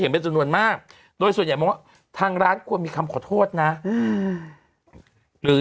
เห็นเป็นส่วนนวดมากโดยส่วนใหญ่มองทางร้านควรมีคำขอโทษนะหรือ